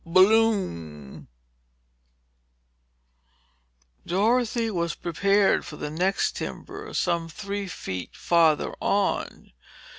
"Bloomp!" Dorothy was prepared for the next timber, some three feet farther on.